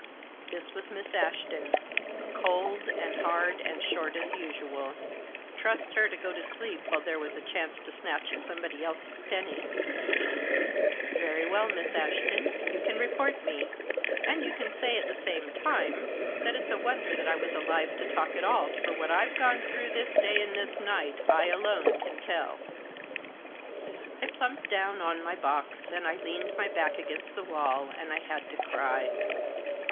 This was Miss Ashton, cold, and hard, and short as usual. Trust her to go to sleep while there was a chance to snatch at somebody else's penny !" Very well, Miss Ashton, you can report me, and you can say, at the same time, that it's a wonder that I wa9 alive to talk at all, for what I've gone through this day, and this night, I alone can tell." I plumped down on my box, and I leaned my back against the wall, and I had to cry.